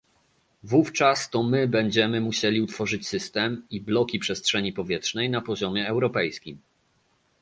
Wówczas to my będziemy musieli utworzyć system i bloki przestrzeni powietrznej na poziomie europejskim